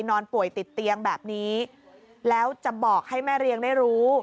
นอนป่วยติดเตียงแบบนี้แล้วจะบอกให้แม่เรียงได้รู้